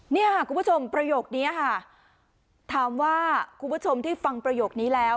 นี่ค่ะคุณผู้ชมประโยคนี้ค่ะถามว่าคุณผู้ชมที่ฟังประโยคนี้แล้ว